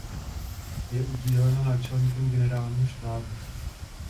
Je udílena náčelníkem Generálního štábu.